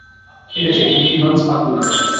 ঠিক আছে, ইভান্স, পাখা গুটাও।